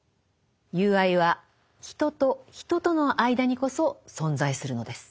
友愛は人と人との間にこそ存在するのです。